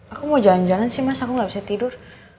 aku mau jalan jalan sih mas aku nggak bisa tidur